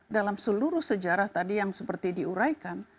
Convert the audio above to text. dalam seluruh sejarah tadi yang seperti diuraikan